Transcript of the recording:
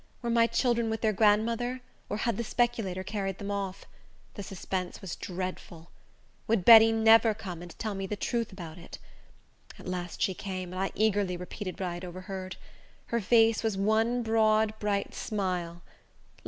Were my children with their grandmother, or had the speculator carried them off? The suspense was dreadful. Would Betty never come, and tell me the truth about it? At last she came, and I eagerly repeated what I had overheard. Her face was one broad, bright smile.